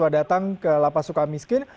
datang ke lapas sukamiskin